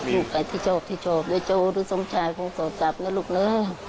ลูกไปที่จอบโดยโจทย์รู้สมชายคงสอบกลับนะลูกเด้อ